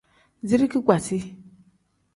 Zirigi kpasi.